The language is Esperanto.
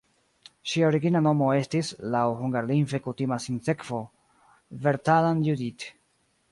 Ŝia origina nomo estis (laŭ hungarlingve kutima sinsekvo) "Bertalan Judit".